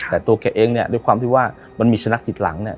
แต่ตัวแกเองเนี่ยด้วยความที่ว่ามันมีสุนัขติดหลังเนี่ย